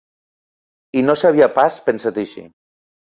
I no s’havia pas pensat així.